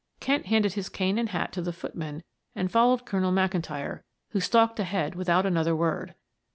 Kent handed his cane and hat to the footman and followed Colonel McIntyre, who stalked ahead without another word.